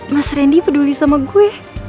mas randy peduli sama gue